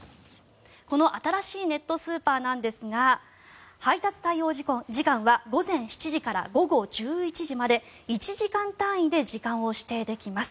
この新しいネットスーパーなんですが配達対応時間は午前７時から午後１１時まで１時間単位で時間を指定できます。